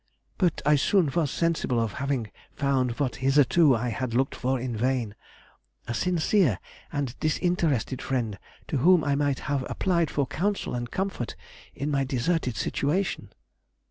But I soon was sensible of having found what hitherto I had looked for in vain—a sincere and disinterested friend to whom I might have applied for counsel and comfort in my deserted situation."